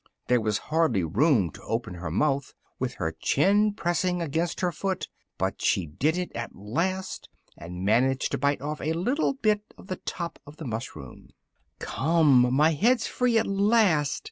There was hardly room to open her mouth, with her chin pressing against her foot, but she did it at last, and managed to bite off a little bit of the top of the mushroom. "Come! my head's free at last!"